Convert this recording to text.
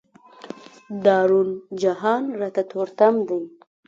دا روڼ جهان راته تور تم دی.